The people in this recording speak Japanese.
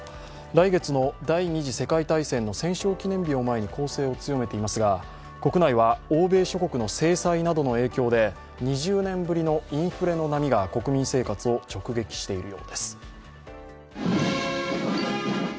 来月の第二次世界大戦の戦勝記念日を前に攻勢を強めていますが国内は欧米諸国の制裁などの影響で２０年ぶりのインフレの波が国民生活を直撃しているようです。